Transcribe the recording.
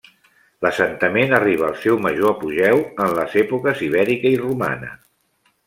L'assentament arriba al seu major apogeu en les èpoques ibèrica i romana.